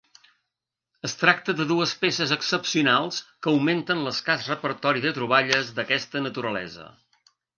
Es tracta de dues peces excepcionals que augmenten l'escàs repertori de troballes d'aquesta naturalesa.